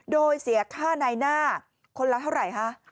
โดยเสียค่าในหน้าคนละเท่าไหร่ฮะ